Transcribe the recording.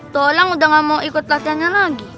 tolong udah gak mau ikut latihannya lagi